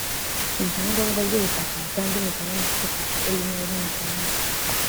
ibyangombwa by’ubutaka cyangwa imigabane afite ku isoko ry’imari n’imigabane